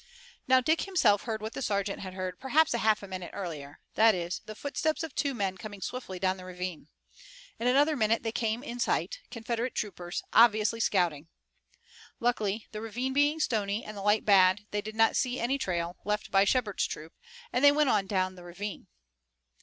Now Dick himself heard what the sergeant had heard perhaps a half minute earlier, that is, the footsteps of two men coming swiftly down the ravine. In another minute they came in sight, Confederate troopers, obviously scouting. Luckily, the ravine being stony and the light bad, they did not see any trail, left by Shepard's troop, and they went on down the ravine.